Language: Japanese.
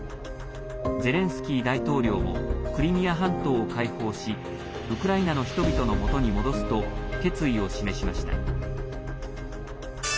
ゼレンスキー大統領もクリミア半島を解放しウクライナの人々のもとに戻すと決意を示しました。